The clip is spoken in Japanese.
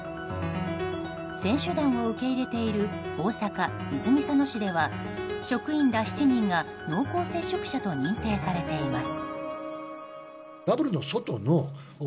選手団を受け入れている大阪・泉佐野市では職員ら７人が濃厚接触者と認定されています。